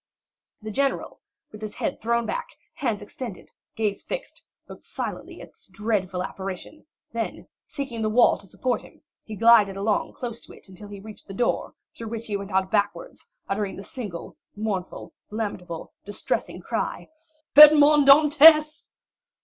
40268m The general, with his head thrown back, hands extended, gaze fixed, looked silently at this dreadful apparition; then seeking the wall to support him, he glided along close to it until he reached the door, through which he went out backwards, uttering this single mournful, lamentable, distressing cry: "Edmond Dantès!"